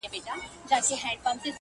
• ښځي وویل هوښیاره یم پوهېږم ,